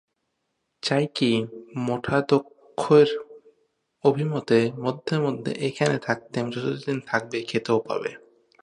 চাই কি, মঠাধ্যক্ষের অভিমতে মধ্যে মধ্যে এখানে থাকতে এবং যতদিন থাকবে খেতেও পাবে।